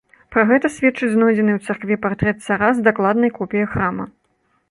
Пра гэта сведчыць знойдзены ў царкве партрэт цара з дакладнай копіяй храма.